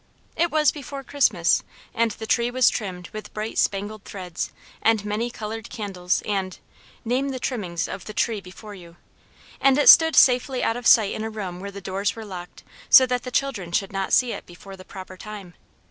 It was before Christmas, and the tree was trimmed with bright spangled threads and many coloured candles and (name the trimmings of the tree before you), and it stood safely out of sight in a room where the doors were locked, so that the children should not see it before the proper time.